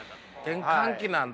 転換期なんだ。